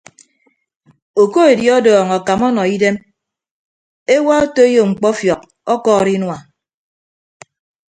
Okoedi ọdọọñ akam ọnọ idem ewa otoiyo mkpọfiọk ọkọọrọ inua.